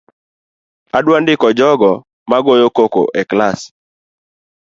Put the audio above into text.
Adwa ndiko jok ma goyo koko e klas